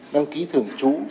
đăng ký thường trú